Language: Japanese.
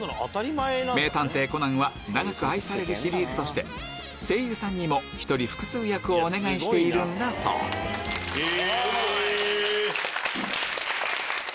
『名探偵コナン』は長く愛されるシリーズとして声優さんにも１人複数役をお願いしているんだそうへぇ！